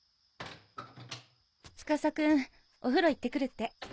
司くんお風呂行って来るって。